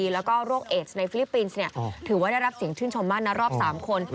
แล้วก็โรคเอสในฟิลิปปินส์ถือว่าได้รับเสียงชื่นชมมากนะรอบ๓คน